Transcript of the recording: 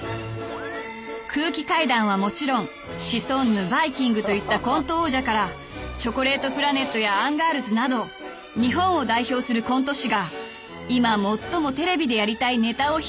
［空気階段はもちろんシソンヌバイきんぐといったコント王者からチョコレートプラネットやアンガールズなど日本を代表するコント師が今最もテレビでやりたいネタを披露します］